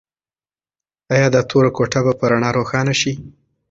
ایا دا توره کوټه به په رڼا روښانه شي؟